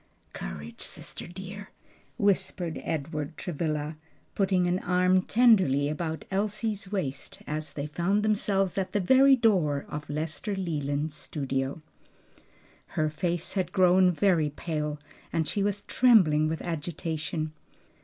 "Courage, sister dear!" whispered Edward Travilla, putting an arm tenderly about Elsie's waist as they found themselves at the very door of Lester Leland's studio. Her face had grown very pale and she was trembling with agitation.